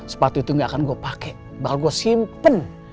sepatu itu gak akan gue pake bakal gue simpen